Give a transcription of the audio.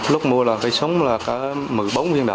lúc mua là cây súng là một mươi bốn viên đỏ